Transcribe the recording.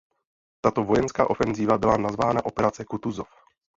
Tato vojenská ofenzíva byla nazvána Operace Kutuzov.